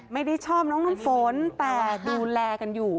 ไม่ได้ชอบน้องน้ำฝนแต่ดูแลกันอยู่